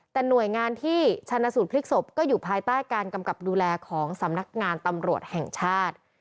แต่หน่วยงานที่ชนะสูตรพลิกศพก็อยู่ภายใต้การกำกับดูแลของสำนักงานตำรวจแห่งชาติ